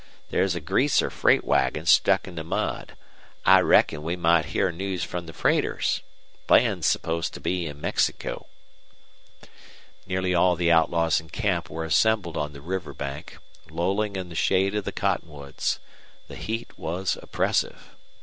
There's a greaser freight wagon stuck in the mud. I reckon we might hear news from the freighters. Bland's supposed to be in Mexico." Nearly all the outlaws in camp were assembled on the riverbank, lolling in the shade of the cottonwoods. The heat was oppressive.